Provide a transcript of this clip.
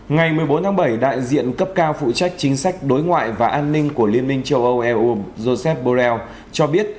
ngày một mươi bốn tháng bảy đại diện cấp cao phụ trách chính sách đối ngoại và an ninh của liên minh châu âu eu joseph borrell cho biết